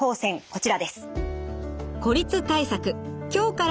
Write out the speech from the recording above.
こちらです。